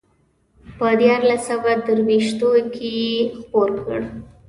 په دیارلس سوه درویشتو کې یې خپور کړ.